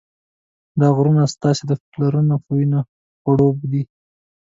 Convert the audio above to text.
دا غرونه ستاسې د پلرونو په وینه خړوب دي.